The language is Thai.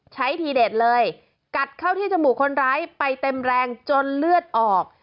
ทีเด็ดเลยกัดเข้าที่จมูกคนร้ายไปเต็มแรงจนเลือดออก